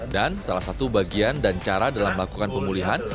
dan salah satu bagian dan cara dalam melakukan pemulihan